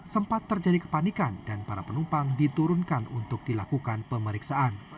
sempat terjadi kepanikan dan para penumpang diturunkan untuk dilakukan pemeriksaan